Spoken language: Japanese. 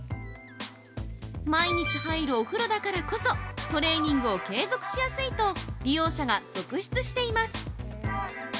毎日入るお風呂だからこそトレーニングを継続しやすいと利用者が続出しています。